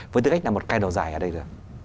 với tư cách là một cây đầu dài ở đây được